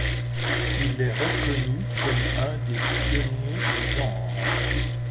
Il est reconnu comme un des pionniers du genre.